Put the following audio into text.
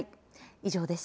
以上です。